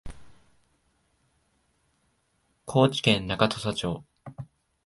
高知県中土佐町